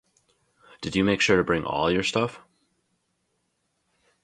Did you make sure to bring all your stuff?